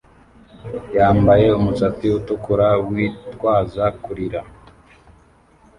Yambaye umusatsi utukura witwaza kurira